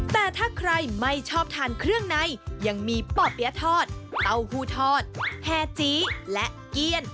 แต่ถ้าใครไม่ชอบทานเครื่องในยังมีป่อเปี๊ยะทอดเต้าหู้ทอดแห่จีและเกี้ยน